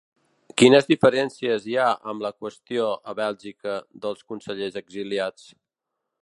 Quines diferències hi ha amb la qüestió a Bèlgica dels consellers exiliats?